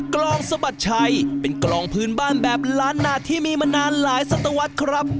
กลองสะบัดชัยเป็นกลองพื้นบ้านแบบล้านนาที่มีมานานหลายสัตวรรษครับ